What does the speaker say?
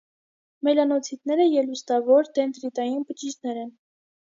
Մելանոցիտները ելուստավոր, դենդրիտային բջիջներ են։